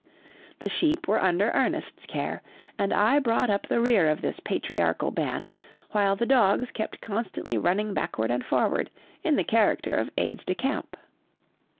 The sheep were under Ernest's care, and I brought up the rear of this patriarchal band, while the dogs kept constantly running backward and forward in the character of aides de camp.